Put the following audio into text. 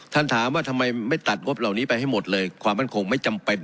ถามว่าทำไมไม่ตัดงบเหล่านี้ไปให้หมดเลยความมั่นคงไม่จำเป็น